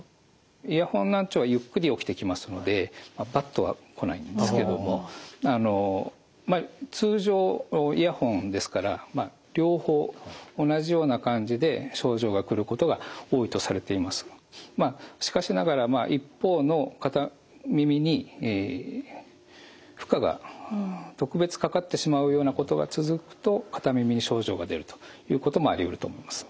イヤホン難聴はゆっくり起きてきますのでバッとは来ないんですけれどもあの通常イヤホンですからしかしながら一方の片耳に負荷が特別かかってしまうようなことが続くと片耳に症状が出るということもありうると思います。